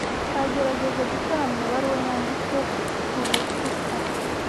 Twagerageje gukora amabaruwa yanditse kurukuta.